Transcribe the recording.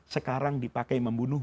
sekarang dipakai membunuh